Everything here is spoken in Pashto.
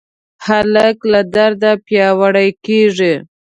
هلک له درده پیاوړی کېږي.